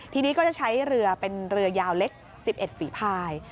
ทีนี้ก็จะใช้เรือเป็นเรือยาวเล็ก๑๑ฝีพาย